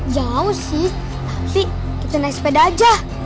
jauh sih tapi kita naik sepeda aja